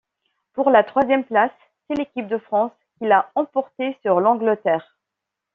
Pour la troisième place, c'est l'équipe de France qui l'a emporté sur l'Angleterre.